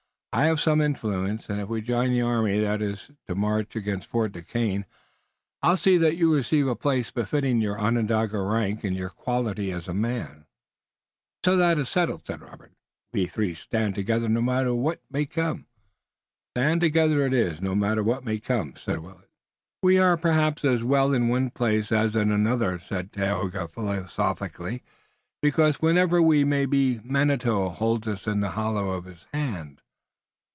"I have some influence, and if we join the army that is to march against Fort Duquesne I'll see that you receive a place befitting your Onondaga rank and your quality as a man." "And so that is settled," said Robert. "We three stand together no matter what may come." "Stand together it is, no matter what may come," said Willet. "We are, perhaps, as well in one place as in another," said Tayoga philosophically, "because wherever we may be Manitou holds us in the hollow of his hand."